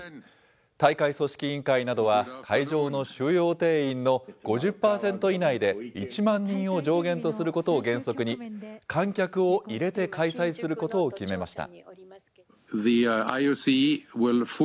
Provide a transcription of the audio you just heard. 大会組織委員会などは、会場の収容定員の５０％以内で１万人を上限とすることを原則に、観客を入れて開催することを決めました。